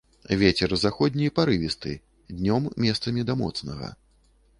Вецер заходні парывісты, днём месцамі да моцнага.